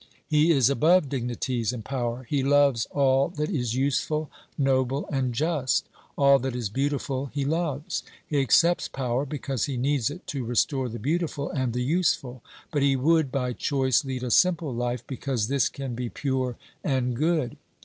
He is above dignities and power; he loves all that is useful, noble and just; all that is beautiful he loves. He accepts power because he needs it to restore the beautiful and the useful, but he would by choice lead a simple life because this can be pure and good.